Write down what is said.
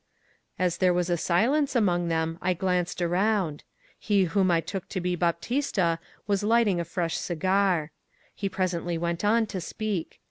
As there was a silence among them, I glanced around. He whom I took to be Baptista was lighting a fresh cigar. He presently went on to speak.